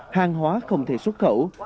hàng hóa không thể xuất khẩu